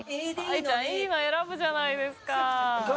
たいちゃんいいの選ぶじゃないですか。